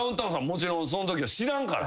もちろんそのときは知らんから。